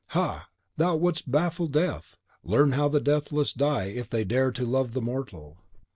Ha! ha! thou who wouldst baffle Death, learn how the deathless die if they dare to love the mortal.